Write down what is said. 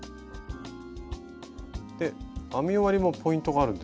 編み終わりもポイントがあるんですか？